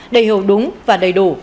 đầy hiểu đúng và đầy đủ